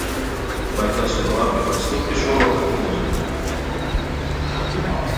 Vai tas ir labi vai slikti šovakar nezinu.